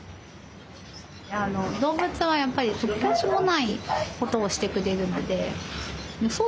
動物はやっぱり突拍子もないことをしてくれるので予想